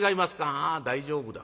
「ああ大丈夫だ。